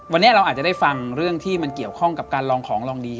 วันนี้เราอาจจะได้ฟังเรื่องที่มันเกี่ยวข้องกับการลองของลองดี